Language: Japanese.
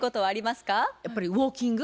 やっぱりウォーキング。